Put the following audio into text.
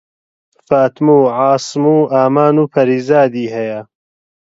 فاتم و عاسم و ئامان و پەریزادی هەیە